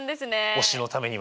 推しのためには。